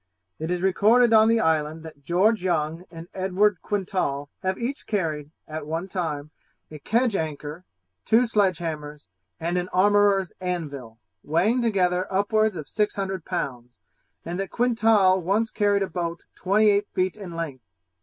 It is recorded on the island that George Young and Edward Quintal have each carried, at one time, a kedge anchor, two sledge hammers, and an armourer's anvil, weighing together upwards of six hundred pounds; and that Quintal once carried a boat twenty eight feet in length.